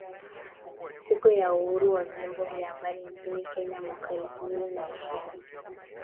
Siku ya Uhuru wa Vyombo vya Habari nchini Kenya mwaka elfu mbili na ishirini